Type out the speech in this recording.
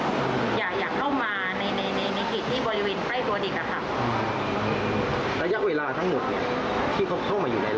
เขาเข้ามาคุยกับเราแล้วก็ออกไปข้างนอกมันคุยโทรศัพท์แล้วก็ว่าให้ทำยังไงต่อมาผิดบ้านไหมคุณมาผิดบ้านไหม